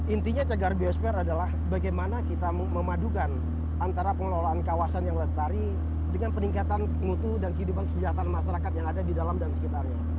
intinya cagar biosfer adalah bagaimana kita memadukan antara pengelolaan kawasan yang lestari dengan peningkatan mutu dan kehidupan kesejahteraan masyarakat yang ada di dalam dan sekitarnya